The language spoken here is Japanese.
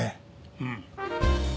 うん。